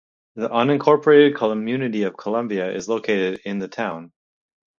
The unincorporated community of Columbia is located in the town.